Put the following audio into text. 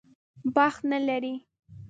بخت نه لري.